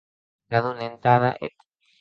Cadun entada eth.